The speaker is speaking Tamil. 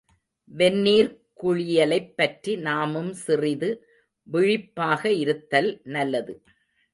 வெந்நீர்க் குளியலைப் பற்றி நாமும் சிறிது விழிப்பாக இருத்தல் நல்லது.